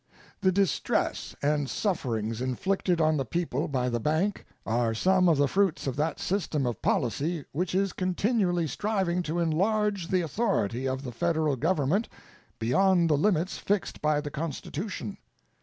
The distress and sufferings inflicted on the people by the bank are some of the fruits of that system of policy which is continually striving to enlarge the authority of the Federal Government beyond the limits fixed by the Constitution.